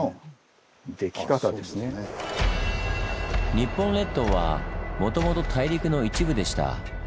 日本列島はもともと大陸の一部でした。